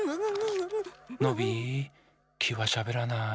ノビーきはしゃべらない。